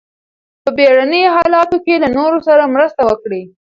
په بیړني حالاتو کې له نورو سره مرسته وکړئ.